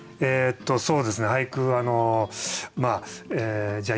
そうですね俳句じゃあ